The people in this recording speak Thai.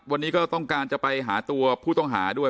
วันนี้ก็ต้องการจะไปหาตัวผู้ต้องหาด้วย